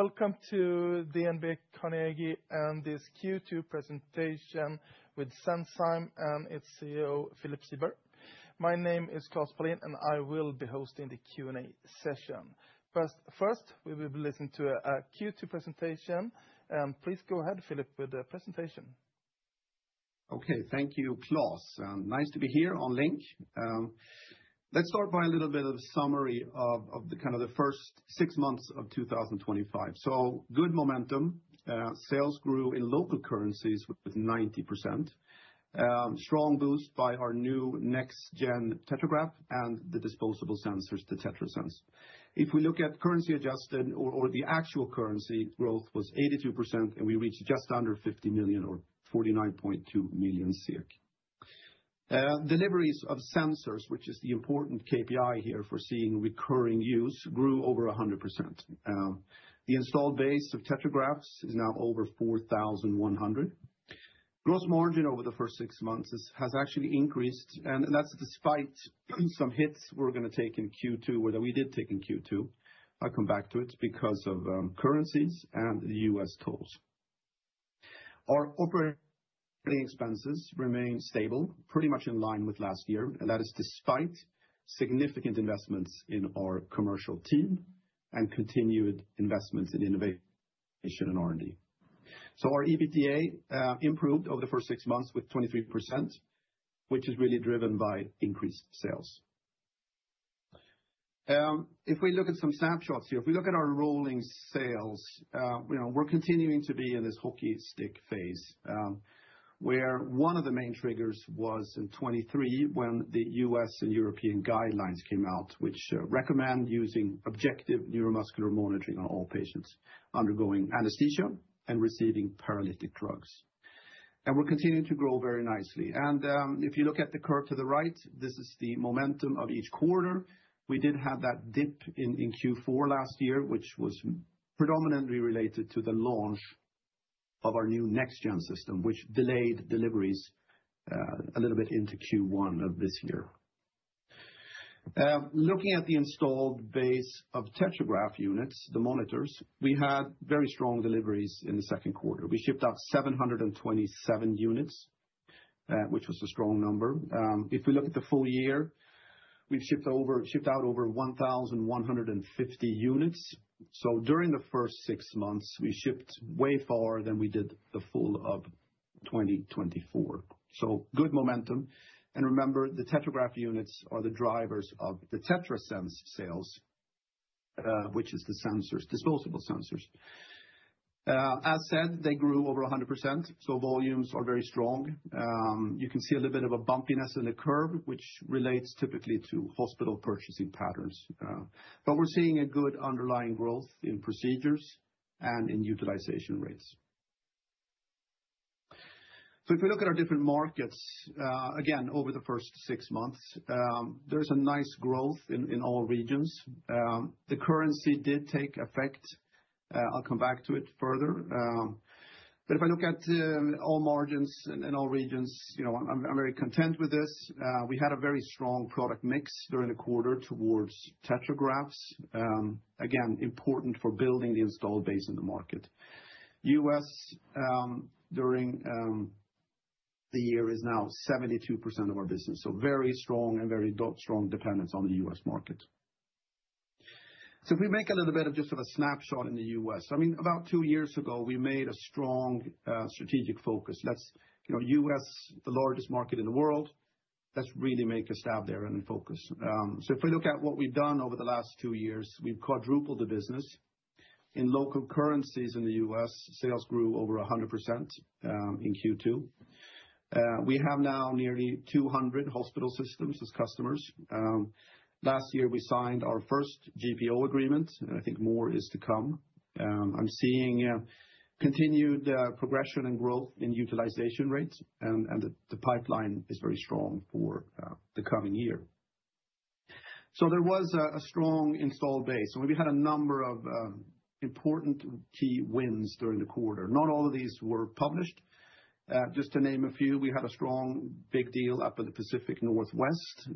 Hello, and welcome to DNB Carnegie and this Q2 presentation with Senzime and its CEO Philip Siberg. My name is Klas Palin, and I will be hosting the Q&A session. First, we will listen to a Q2 presentation, and please go ahead, Philip, with the presentation. Okay, thank you, Klas. Nice to be here on Link. Let's start by a little bit of a summary of the kind of the first six months of 2025. Good momentum. Sales grew in local currencies with 90%. Strong boost by our new next-gen TetraGraph and the disposable sensors, the TetraSens. If we look at currency adjusted or the actual currency, growth was 82%, and we reached just under 50 million or 49.2 million. Deliveries of sensors, which is the important KPI here for seeing recurring use, grew over 100%. The installed base of TetraGraph is now over 4,100. Gross margin over the first six months has actually increased, and that's despite some hits we're going to take in Q2, or that we did take in Q2. I'll come back to it because of currencies and the U.S. tolls. Our operating expenses remain stable, pretty much in line with last year, and that is despite significant investments in our commercial team and continued investments in innovation and R&D. Our EBITDA improved over the first six months with 23%, which is really driven by increased sales. If we look at some snapshots here, if we look at our rolling sales, we're continuing to be in this hockey stick phase, where one of the main triggers was in 2023 when the U.S. and European guidelines came out, which recommend using objective neuromuscular monitoring on all patients undergoing anesthesia and receiving paralytic drugs. We're continuing to grow very nicely. If you look at the curve to the right, this is the momentum of each quarter. We did have that dip in Q4 last year, which was predominantly related to the launch of our new next-gen system, which delayed deliveries a little bit into Q1 of this year. Looking at the installed base of TetraGraph units, the monitors, we had very strong deliveries in the second quarter. We shipped out 727 units, which was a strong number. If we look at the full year, we shipped out over 1,150 units. During the first six months, we shipped way farther than we did the full of 2024. Good momentum. Remember, the TetraGraph units are the drivers of the TetraSens sales, which is the disposable sensors. As said, they grew over 100%, so volumes are very strong. You can see a little bit of a bumpiness in the curve, which relates typically to hospital purchasing patterns. We're seeing a good underlying growth in procedures and in utilization rates. If we look at our different markets, again, over the first six months, there's a nice growth in all regions. The currency did take effect. I'll come back to it further. If I look at all margins in all regions, you know, I'm very content with this. We had a very strong product mix during the quarter towards TetraGraph. Again, important for building the installed base in the market. The U.S., during the year, is now 72% of our business. Very strong and very strong dependence on the U.S. market. If we make a little bit of just sort of a snapshot in the U.S., I mean, about two years ago, we made a strong strategic focus. That's, you know, the U.S., the largest market in the world. That's really made us have their own focus. If we look at what we've done over the last two years, we've quadrupled the business. In local currencies in the U.S., sales grew over 100% in Q2. We have now nearly 200 hospital systems as customers. Last year, we signed our first GPO agreement. I think more is to come. I'm seeing continued progression and growth in utilization rates, and the pipeline is very strong for the coming year. There was a strong installed base. We had a number of important key wins during the quarter. Not all of these were published. Just to name a few, we had a strong big deal up in the Pacific Northwest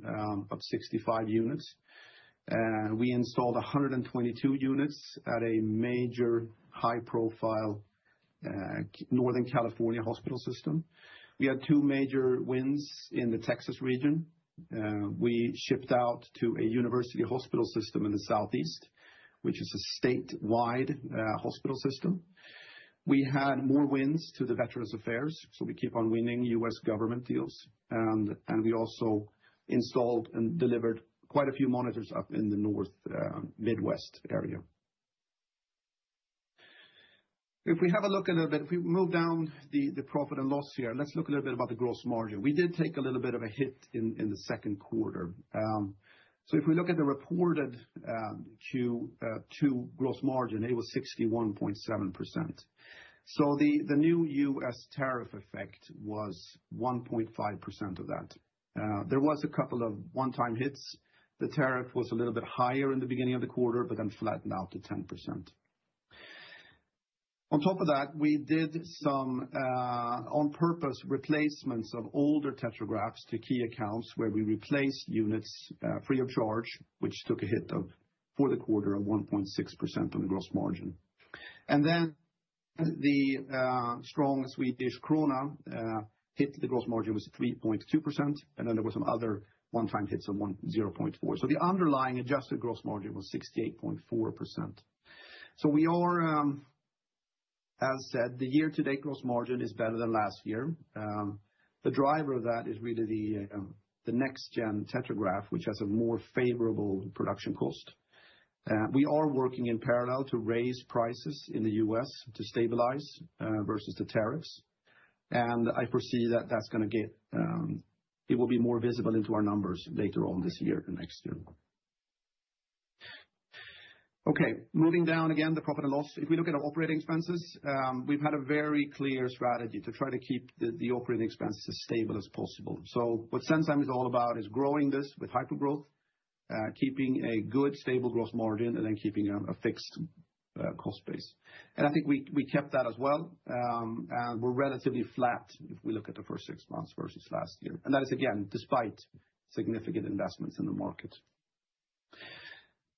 of 65 units. We installed 122 units at a major high-profile Northern California hospital system. We had two major wins in the Texas region. We shipped out to a university hospital system in the Southeast, which is a statewide hospital system. We had more wins to the Veterans Affairs. We keep on winning U.S. government deals, and we also installed and delivered quite a few monitors up in the North Midwest area. If we have a look at a little bit, if we move down the profit and loss here, let's look a little bit about the gross margin. We did take a little bit of a hit in the second quarter. If we look at the reported Q2 gross margin, it was 61.7%. The new U.S. tariff effect was 1.5% of that. There was a couple of one-time hits. The tariff was a little bit higher in the beginning of the quarter, but then flattened out to 10%. On top of that, we did some on-purpose replacements of older TetraGraph to key accounts where we replaced units free of charge, which took a hit for the quarter of 1.6% on the gross margin. The strong Swedish krona hit the gross margin was 3.2%, and then there were some other one-time hits of 0.4%. The underlying adjusted gross margin was 68.4%. We are, as said, the year-to-date gross margin is better than last year. The driver of that is really the next-gen TetraGraph, which has a more favorable production cost. We are working in parallel to raise prices in the U.S. to stabilize versus the tariffs. I foresee that that's going to get, it will be more visible into our numbers later on this year and next year. Moving down again, the profit and loss. If we look at our operating expenses, we've had a very clear strategy to try to keep the operating expenses as stable as possible. What Senzime is all about is growing this with hypergrowth, keeping a good stable gross margin, and then keeping a fixed cost base. I think we kept that as well, and we're relatively flat if we look at the first six months versus last year. That is, again, despite significant investments in the market.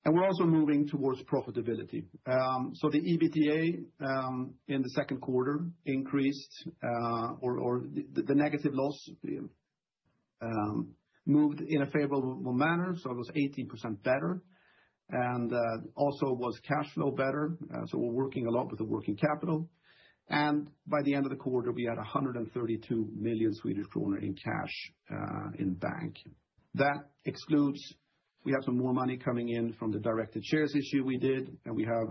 We're also moving towards profitability. The EBITDA in the second quarter increased, or the negative loss moved in a favorable manner. It was 18% better, and also was cash flow better. We're working a lot with the working capital. By the end of the quarter, we had 132 million Swedish kronor in cash in the bank. That excludes, we have some more money coming in from the directed share issue we did, and we have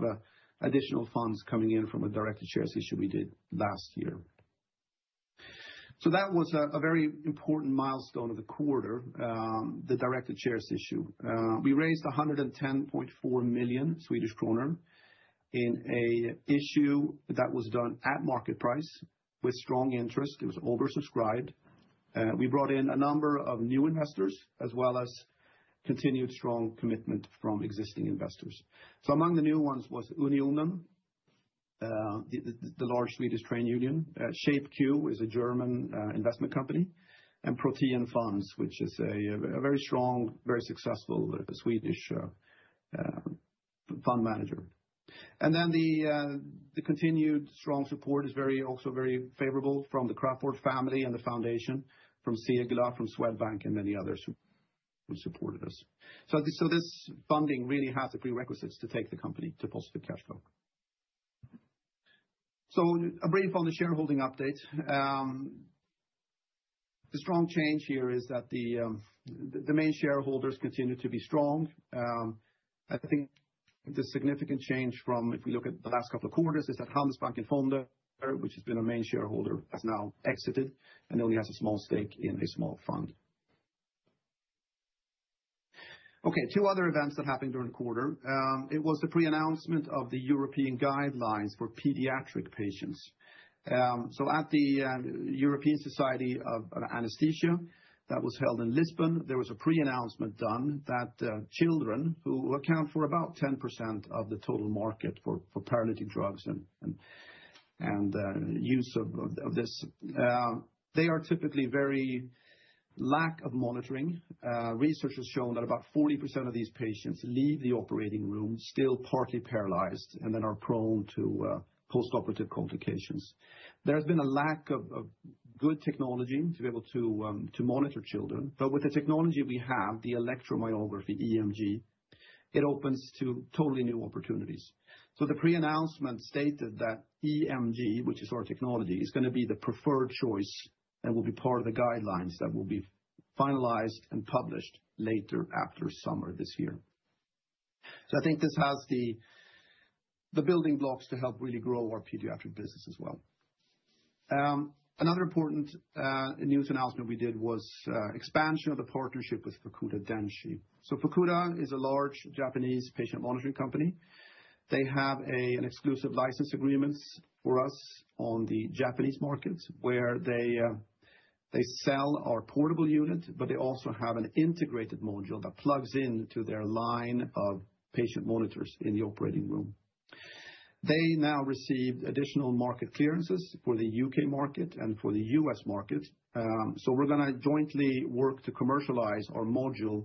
additional funds coming in from a directed share issue we did last year. That was a very important milestone of the quarter, the directed share issue. We raised 110.4 million Swedish kronor in an issue that was done at market price with strong interest. It was oversubscribed. We brought in a number of new investors, as well as continued strong commitment from existing investors. Among the new ones was Unionen, the large Swedish trade union. ShapeQ is a German investment company, and Protean Funds, which is a very strong, very successful Swedish fund manager. The continued strong support is also very favorable from the Crafoord family and the foundation, from Segulah, from Swedbank, and many others who supported us. This funding really has the prerequisites to take the company to positive cash flow. A brief on the shareholding update. The strong change here is that the main shareholders continue to be strong. I think the significant change from, if we look at the last couple of quarters, is that Handelsbanken Fonder, which has been a main shareholder, has now exited, and only has a small stake in a small fund. Two other events that happened during the quarter: it was a pre-announcement of the European guidelines for pediatric patients. At the European Society of Anesthesia that was held in Lisbon, there was a pre-announcement done that children, who account for about 10% of the total market for paralytic drugs and use of this, they are typically very lack of monitoring. Research has shown that about 40% of these patients leave the operating room still partly paralyzed and then are prone to post-operative complications. There's been a lack of good technology to be able to monitor children, but with the technology we have, the electromyography, EMG, it opens to totally new opportunities. The pre-announcement stated that EMG, which is our technology, is going to be the preferred choice and will be part of the guidelines that will be finalized and published later after summer this year. I think this has the building blocks to help really grow our pediatric business as well. Another important news announcement we did was expansion of the partnership with Fukuda Denshi. Fukuda is a large Japanese patient monitoring company. They have an exclusive license agreement for us on the Japanese market where they sell our portable unit, but they also have an integrated module that plugs into their line of patient monitors in the operating room. They now received additional market clearances for the U.K. market and for the U.S. market. We are going to jointly work to commercialize our module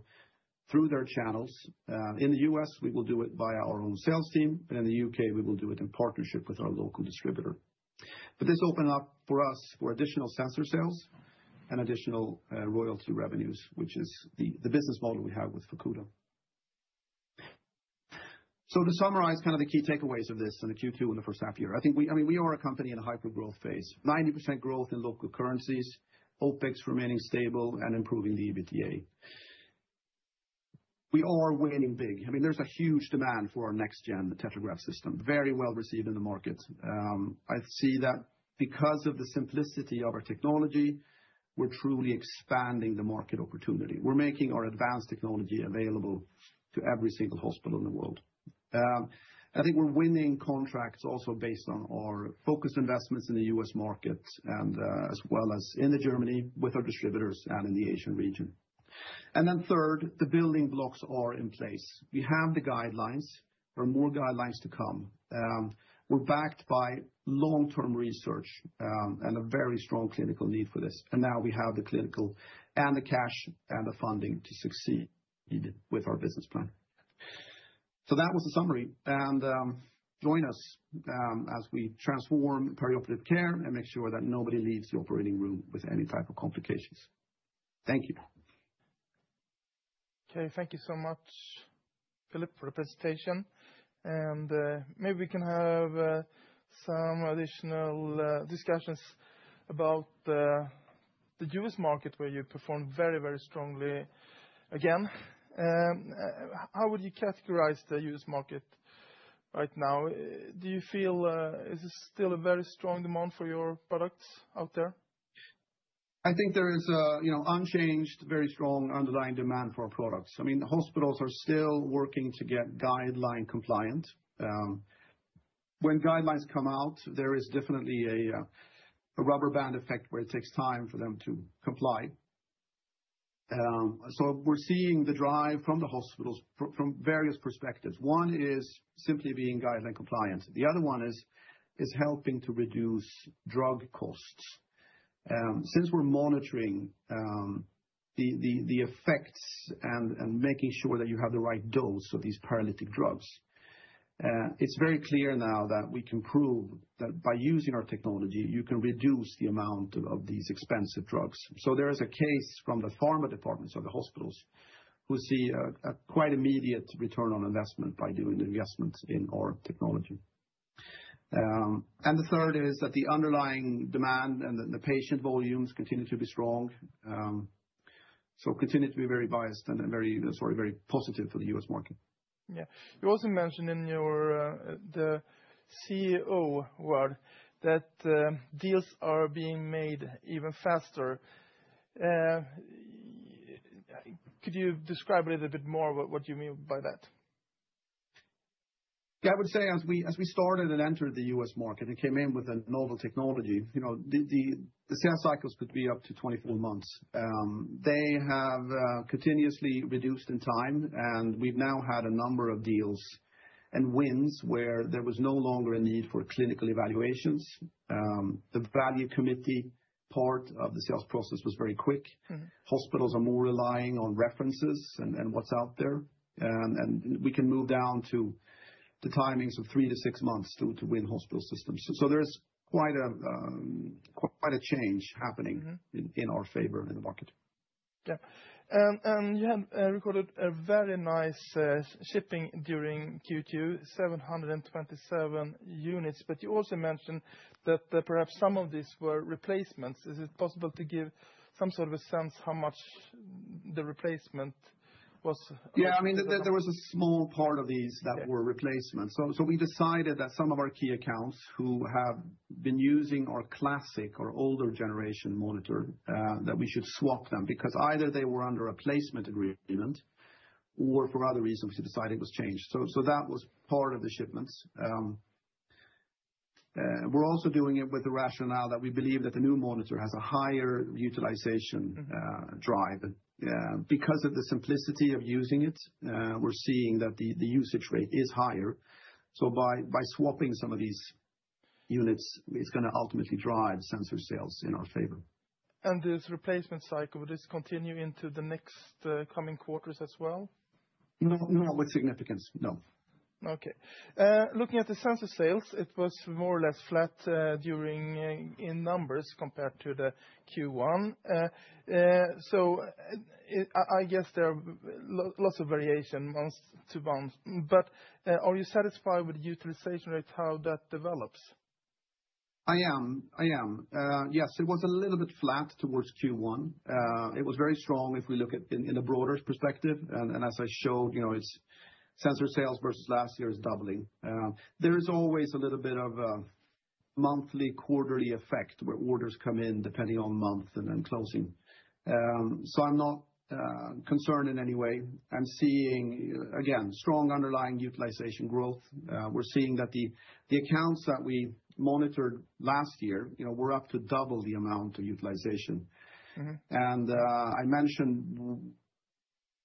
through their channels. In the U.S., we will do it via our own sales team, and in the U.K., we will do it in partnership with our local distributor. This opened up for us for additional sensor sales and additional royalty revenues, which is the business model we have with Fukuda. To summarize kind of the key takeaways of this and the Q2 in the first half year, I think we are a company in a hypergrowth phase, 90% growth in local currencies, OpEx remaining stable, and improving the EBITDA. We are winning big. I mean, there's a huge demand for our next-gen TetraGraph system, very well received in the markets. I see that because of the simplicity of our technology, we're truly expanding the market opportunity. We're making our advanced technology available to every single hospital in the world. I think we're winning contracts also based on our focus investments in the U.S. market, as well as in Germany with our distributors and in the Asian region. The building blocks are in place. We have the guidelines. There are more guidelines to come. We're backed by long-term research and a very strong clinical need for this. Now we have the clinical and the cash and the funding to succeed with our business plan. That was a summary. Join us as we transform perioperative care and make sure that nobody leaves the operating room with any type of complications. Thank you. Okay, thank you so much, Philip, for the presentation. Maybe we can have some additional discussions about the U.S. market where you perform very, very strongly again. How would you categorize the U.S. market right now? Do you feel it's still a very strong demand for your products out there? I think there is an unchanged, very strong underlying demand for our products. Hospitals are still working to get guideline compliant. When guidelines come out, there is definitely a rubber band effect where it takes time for them to comply. We're seeing the drive from the hospitals from various perspectives. One is simply being guideline compliant. The other one is helping to reduce drug costs. Since we're monitoring the effects and making sure that you have the right dose of these paralytic drugs, it's very clear now that we can prove that by using our technology, you can reduce the amount of these expensive drugs. There is a case from the pharma departments of the hospitals who see a quite immediate return on investment by doing the investments in our technology. The third is that the underlying demand and the patient volumes continue to be strong. Continue to be very biased and very positive for the U.S. market. Yeah. You also mentioned in your CEO word that deals are being made even faster. Could you describe a little bit more what you mean by that? I would say as we started and entered the U.S. market, it came in with a novel technology. The sales cycles could be up to 24 months. They have continuously reduced in time, and we've now had a number of deals and wins where there was no longer a need for clinical evaluations. The value committee part of the sales process was very quick. Hospitals are more relying on references and what's out there. We can move down to the timings of three to six months to win hospital systems. There's quite a change happening in our favor in the market. You had recorded a very nice shipping during Q2, 727 units, but you also mentioned that perhaps some of these were replacements. Is it possible to give some sort of a sense how much the replacement was? Yeah, I mean, there was a small part of these that were replacements. We decided that some of our key accounts who have been using our classic or older generation monitor, that we should swap them because either they were under a placement agreement or for other reasons we decided it was changed. That was part of the shipments. We're also doing it with the rationale that we believe that the new monitor has a higher utilization drive. Because of the simplicity of using it, we're seeing that the usage rate is higher. By swapping some of these units, it's going to ultimately drive sensor sales in our favor. Would this replacement cycle continue into the next coming quarters as well? Not with significance, no. Okay. Looking at the sensor sales, it was more or less flat in numbers compared to Q1. I guess there are lots of variation month to month, but are you satisfied with the utilization rate, how that develops? Yes, it was a little bit flat towards Q1. It was very strong if we look at in the broader perspective, and as I showed, you know, it's sensor sales versus last year is doubling. There is always a little bit of a monthly, quarterly effect where orders come in depending on month and then closing. I'm not concerned in any way. I'm seeing, again, strong underlying utilization growth. We're seeing that the accounts that we monitored last year, you know, were up to double the amount of utilization. I mentioned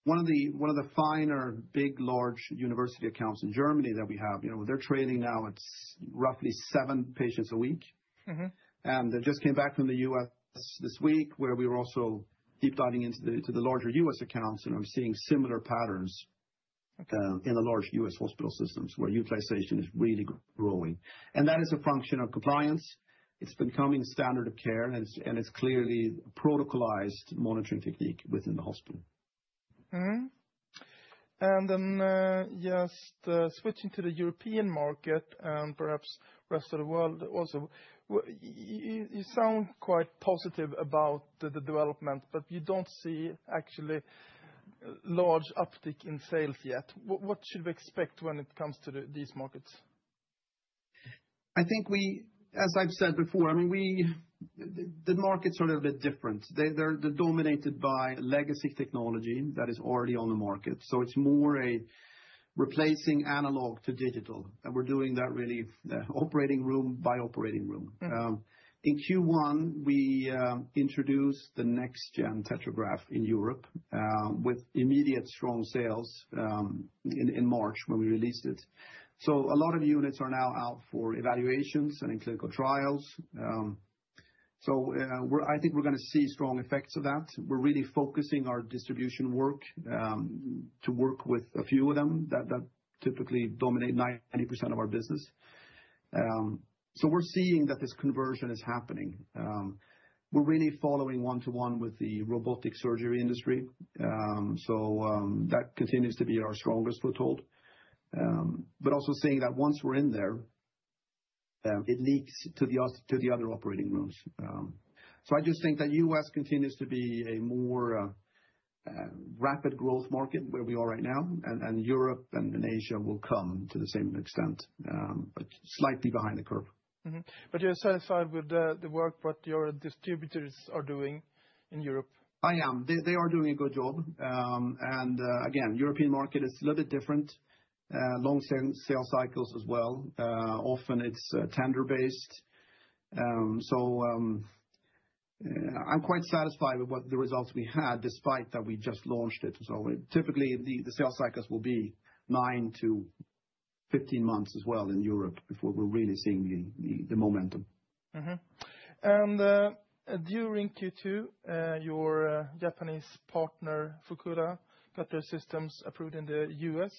one of the finer big, large university accounts in Germany that we have, you know, they're trading now at roughly seven patients a week. They just came back from the U.S. this week where we were also deep diving into the larger U.S. accounts, and we're seeing similar patterns in the large U.S. hospital systems where utilization is really growing. That is a function of compliance. It's becoming standard of care, and it's clearly a protocolized monitoring technique within the hospital. Switching to the European market and perhaps the rest of the world also, you sound quite positive about the development, but you don't see actually a large uptick in sales yet. What should we expect when it comes to these markets? I think we, as I've said before, the markets are a little bit different. They're dominated by legacy technology that is already on the market. It's more a replacing analog to digital, and we're doing that really operating room by operating room. In Q1, we introduced the next-gen TetraGraph in Europe with immediate strong sales in March when we released it. A lot of units are now out for evaluations and in clinical trials. I think we're going to see strong effects of that. We're really focusing our distribution work to work with a few of them that typically dominate 90% of our business. We're seeing that this conversion is happening. We're really following one-to-one with the robotic surgery industry. That continues to be our strongest, we're told. Also saying that once we're in there, it leaks to the other operating rooms. I just think that the U.S. continues to be a more rapid growth market where we are right now, and Europe and Asia will come to the same extent, slightly behind the curve. Are you satisfied with the work that your distributors are doing in Europe? I am. They are doing a good job. The European market is a little bit different, long sales cycles as well. Often it's tender-based. I'm quite satisfied with the results we had despite that we just launched it. Typically the sales cycles will be nine to 15 months as well in Europe before we're really seeing the momentum. During Q2, your Japanese partner, Fukuda, got their systems approved in the U.S.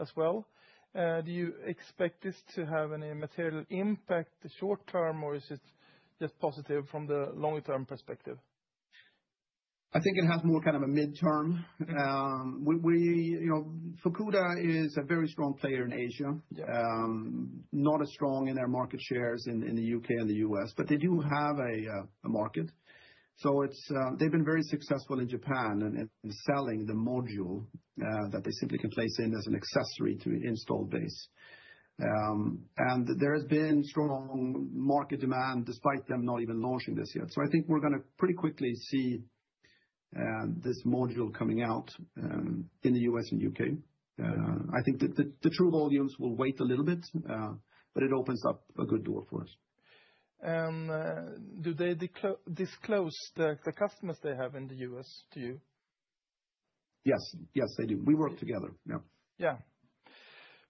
as well. Do you expect this to have any material impact short term, or is it just positive from the longer term perspective? I think it has more kind of a midterm. Fukuda is a very strong player in Asia, not as strong in their market shares in the U.K. and the U.S., but they do have a market. They've been very successful in Japan in selling the module that basically can place in as an accessory to the installed base. There had been strong market demand despite them not even launching this yet. I think we're going to pretty quickly see this module coming out in the U.S. and U.K. I think the true volumes will wait a little bit, but it opens up a good door for us. Do they disclose the customers they have in the U.S. to you? Yes, they do. We work together. Yeah,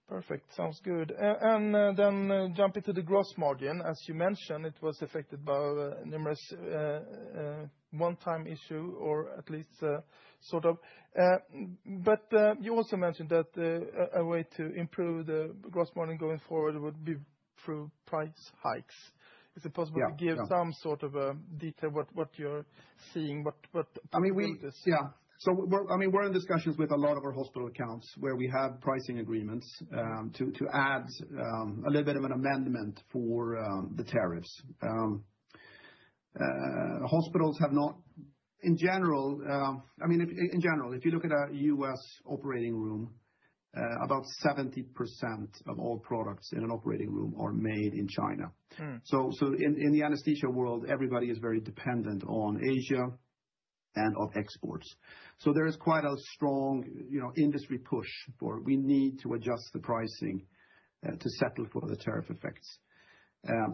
perfect. Sounds good. Jumping to the gross margin, as you mentioned, it was affected by a numerous one-time issue, or at least sort of. You also mentioned that a way to improve the gross margin going forward would be through price hikes. Is it possible to give some sort of a detail what you're seeing? We're in discussions with a lot of our hospital accounts where we have pricing agreements to add a little bit of an amendment for the tariffs. Hospitals have not, in general, if you look at our U.S. operating room, about 70% of all products in an operating room are made in China. In the anesthesia world, everybody is very dependent on Asia and on exports. There's quite a strong industry push for we need to adjust the pricing to settle for the tariff effects.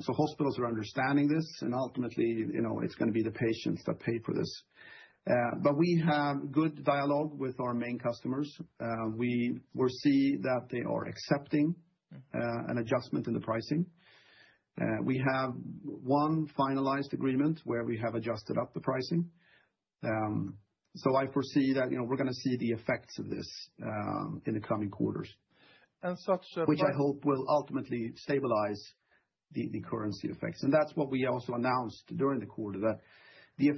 Hospitals are understanding this, and ultimately, it's going to be the patients that pay for this. We have good dialogue with our main customers. We see that they are accepting an adjustment in the pricing. We have one finalized agreement where we have adjusted up the pricing. I foresee that we're going to see the effects of this in the coming quarters. And such. I hope this will ultimately stabilize the currency effects. That's what we also announced during the quarter, that the effects of this are ±1%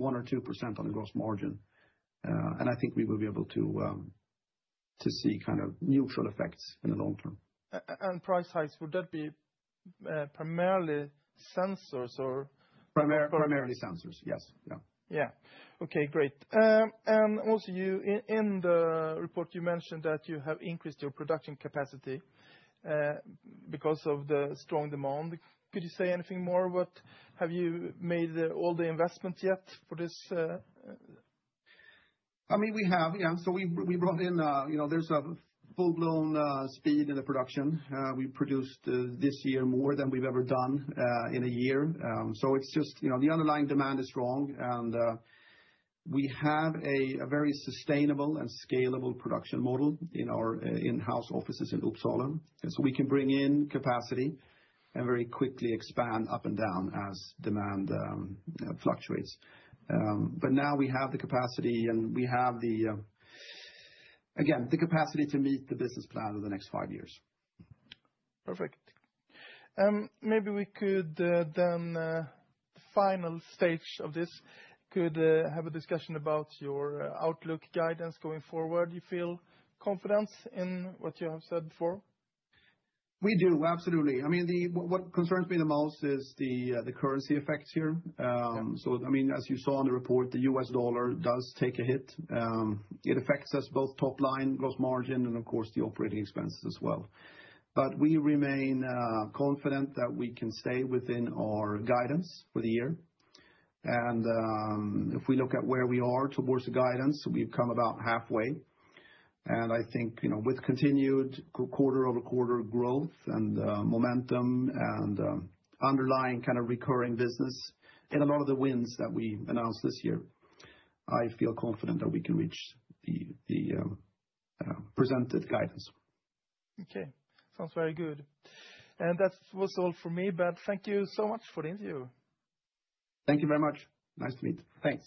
or ±2% on the gross margin. I think we will be able to see kind of neutral effects in the long term. Would that be primarily sensors or? Primarily sensors, yes. Okay, great. In the report, you mentioned that you have increased your production capacity because of the strong demand. Could you say anything more? Have you made all the investments yet for this? We brought in, you know, there's a full-blown speed in the production. We produced this year more than we've ever done in a year. It's just, you know, the underlying demand is strong. We have a very sustainable and scalable production model in our in-house offices in Uppsala. We can bring in capacity and very quickly expand up and down as demand fluctuates. Now we have the capacity, and we have the capacity to meet the business plan over the next five years. Perfect. Maybe we could, in the final stage of this, have a discussion about your outlook guidance going forward. Do you feel confidence in what you have said before? We do, absolutely. I mean, what concerns me the most is the currency effects here. As you saw in the report, the U.S. dollar does take a hit. It affects us both top line, gross margin, and of course the operating expenses as well. We remain confident that we can stay within our guidance for the year. If we look at where we are towards the guidance, we've come about halfway. I think, you know, with continued quarter-over-quarter growth and momentum and underlying kind of recurring business and a lot of the wins that we announced this year, I feel confident that we can reach the presented guidance. Okay, sounds very good. That was all for me, but thank you so much for the interview. Thank you very much. Nice to meet you. Thanks.